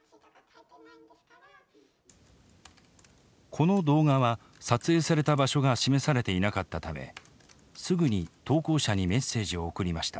この動画は撮影された場所が示されていなかったためすぐに投稿者にメッセージを送りました。